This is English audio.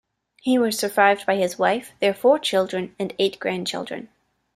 He was survived by his wife, their four children, and eight grandchildren.